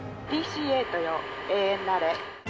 ＤＣー８よ、永遠なれ。